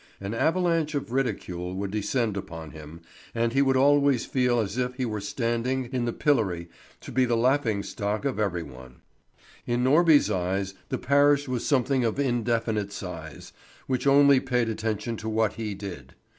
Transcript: An avalanche of ridicule would descend upon him, and he would always feel as if he were standing in the pillory to be the laughing stock of every one. In Norby's eyes the parish was something of indefinite size, which only paid attention to what he did.